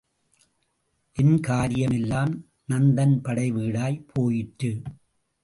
என் காரியம் எல்லாம் நந்தன் படை வீடாய்ப் போயிற்று.